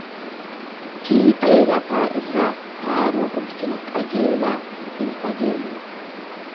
Fiixee lafaa irraa faaruu ulfina qajeelaa in dhageenya.